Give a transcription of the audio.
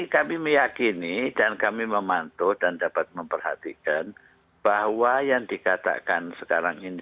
kami meyakini dan kami memantau dan dapat memperhatikan bahwa yang dikatakan sekarang ini